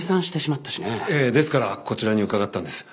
ええですからこちらに伺ったんです。